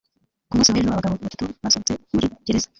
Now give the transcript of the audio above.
ku munsi w'ejo, abagabo batatu basohotse muri gereza